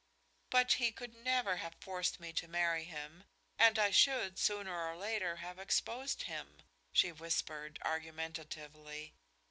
"But he could never have forced me to marry him, and I should, sooner or later, have exposed him," she whispered, argumentatively.